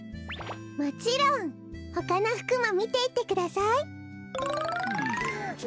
もちろん！ほかのふくもみていってください！